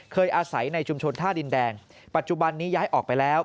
อาศัยในชุมชนท่าดินแดงปัจจุบันนี้ย้ายออกไปแล้ว